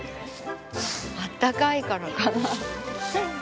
あったかいからかな？